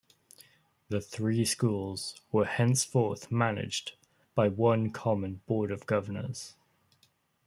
The three schools were henceforth managed by one common Board of Governors.